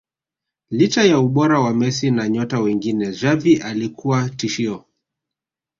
Licha ya ubora wa Messi na nyota wengine Xavi alikuwa tishio